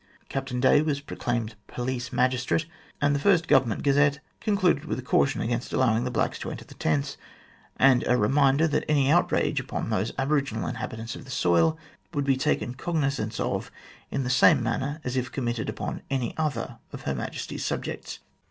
Captain Day was proclaimed Police Magistrate, and the first Government Gazette concluded with a caution against allowing the blacks to enter the tents, and a reminder that any outrage upon those aboriginal inhabitants of the soil would be taken cognizance of in the same manner as if committed upon any other of Her Majesty's subjects.